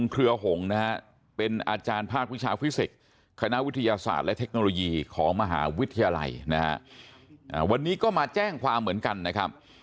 คือผมรับไม่ได้เหงื่อยการที่เขาไปกล่าวหาแบบนั้นนะครับ